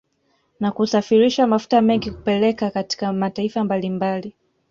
Na kusafirisha mafuta mengi kupeleka katika mataifa mbalimbali